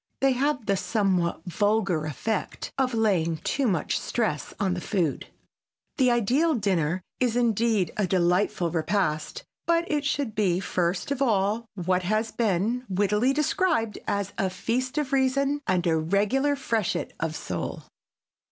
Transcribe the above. They have the somewhat vulgar effect of laying too much stress on the food. The ideal dinner is, indeed, a delightful repast, but it should be first of all what has been wittily described as "a feast of reason and a regular freshet of soul."